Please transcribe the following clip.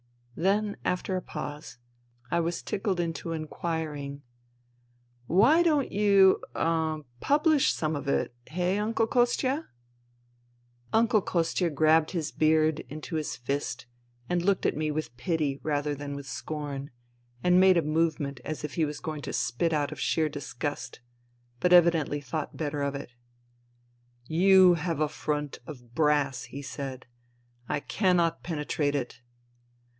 Then, after a pause, I was tickled into inquiring ;" Why don't you — er — publish some of it, eh. Uncle Kostia ?" Uncle Kostia grabbed his beard into his fist and looked at me with pity rather than with scorn and made a movement as if he was going to spit out oi sheer disgust, but evidently thought better of it. " You have a front of brass," he said. " I cannot penetrate it."